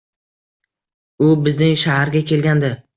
U bizning shaharga kelgandi